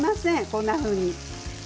こんなふうに。